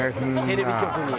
テレビ局に。